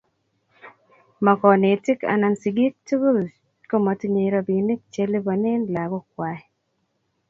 Mo konetik anan sigik tuguk komotinyei robinik che lipone lagokwai